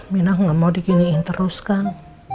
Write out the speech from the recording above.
minang gak mau dikiniin terus kang